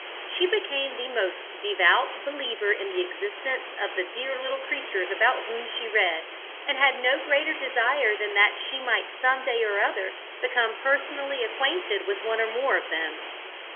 She became the most devout believer in the existence of the dear little creatures about whom she read, and had no greater desire than that she might some day or other become personally acquainted with one or more of them.